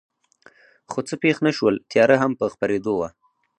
خو څه پېښ نه شول، تیاره هم په خپرېدو وه.